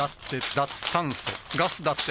脱炭素ガス・だって・